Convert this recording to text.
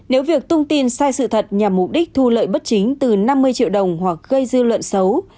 nếu việc tung tin sai sự thật nhằm mục đích thu lợi bất chính từ năm mươi triệu đồng hoặc gây dư luận xấu